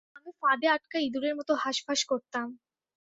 আমি ফাঁদে আটকা ইঁদুরের মতো হাঁসফাঁস করতাম।